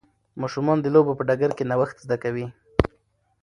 ماشومان د لوبو په ډګر کې نوښت زده کوي.